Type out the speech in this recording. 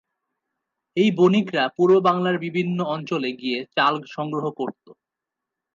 এই বণিকরা পূর্ব বাংলার বিভিন্ন অঞ্চলে গিয়ে চাল সংগ্রহ করত।